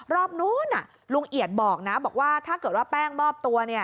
รอบนู้นลุงเอียดบอกนะบอกว่าถ้าเกิดว่าแป้งมอบตัว